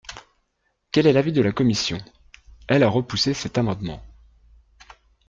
Quel est l’avis de la commission ? Elle a repoussé cet amendement.